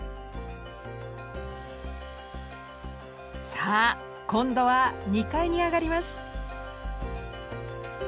さあ今度は２階に上がります。